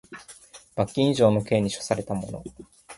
罰金以上の刑に処せられた者